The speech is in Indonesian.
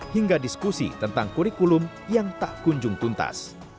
hingga diskusi tentang kurikulum yang tak kunjung tuntas